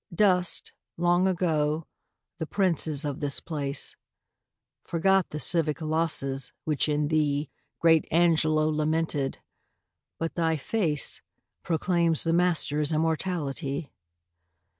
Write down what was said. Dust, long ago, the princes of this place ; Forgot the civic losses which in thee Great Angelo lamented ; but thy face Proclaims the master's immortality!